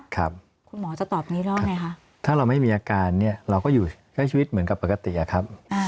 ครับคุณหมอจะตอบนี้แล้วไงคะถ้าเราไม่มีอาการเนี่ยเราก็อยู่ใช้ชีวิตเหมือนกับปกติอะครับ